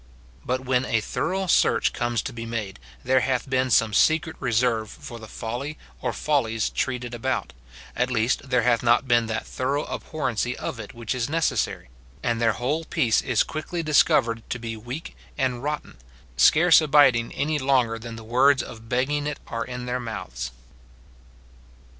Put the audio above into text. But when a thorough search comes to be made, there hath been some secret reserve for the folly or follies treated about, — at least, there hath not been that thorough abhorrency of it which is necessary ; and their whole peace is quickly discovered to be weak and rotten, scarce abiding any longer than the words of begging it are in their mouths.